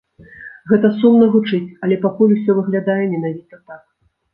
Гэта сумна гучыць, але пакуль усё выглядае менавіта так.